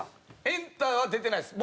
『エンタ』は出てないです。